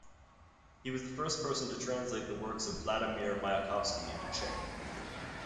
He was the first person to translate the works of Vladimir Mayakovsky into Czech.